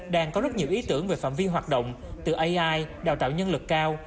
đang có rất nhiều ý tưởng về phạm vi hoạt động từ ai đào tạo nhân lực cao